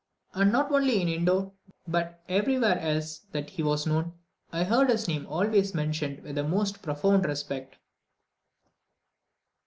And not only in Indor, but everywhere else that he was known, I heard his name always mentioned with the most profound respect.